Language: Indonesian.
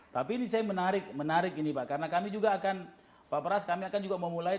tapi ini saya menarik menarik ini pak karena kami juga akan pak pras kami akan juga memulai